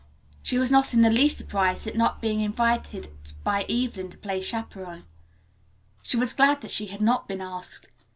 She was not in the least surprised at not being invited by Evelyn to play chaperon. She was glad that she had not been asked.